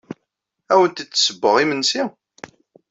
Ad awent-d-ssewweɣ imensi?